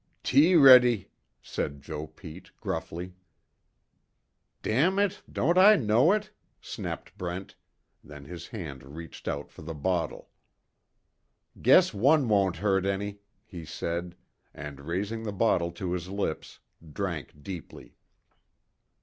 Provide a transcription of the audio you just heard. "Tea ready," said Joe Pete, gruffly. "Damn it! Don't I know it?" snapped Brent, then his hand reached out for the bottle. "Guess one won't hurt any," he said, and raising the bottle to his lips, drank deeply.